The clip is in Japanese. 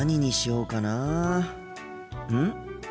うん？